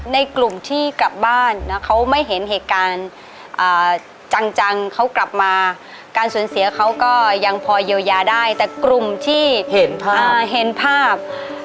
ในกลุ่มที่กลับบ้านนะเขาไม่เห็นเหตุการณ์จังเขากลับมาการสูญเสียเขาก็ยังพอเยียวยาได้แต่กลุ่มที่เห็นภาพเห็นภาพ